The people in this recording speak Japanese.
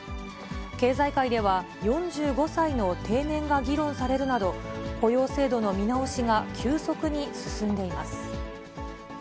経済界では、４５歳の定年が議論されるなど、雇用制度の見直しが急速に進んでいます。